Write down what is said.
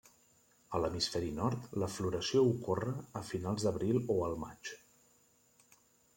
A l'hemisferi nord, la floració ocorre a finals d'abril o al maig.